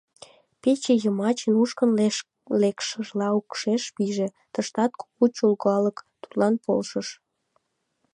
Пече йымач нушкын лекшыжла укшеш пиже, тыштат кугу чолгалык тудлан полшыш.